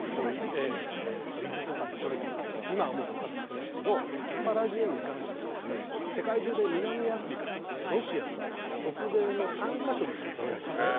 伊豆とかで採れたんですけど今はもう枯渇してますけどパラジウムに関してはですね世界中で南アフリカとロシアと北米の３か所でしか採れないんですね。